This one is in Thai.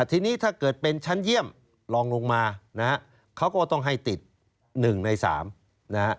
ทีนี้ถ้าเกิดเป็นชั้นเยี่ยมลองลงมานะฮะเขาก็ต้องให้ติด๑ใน๓นะฮะ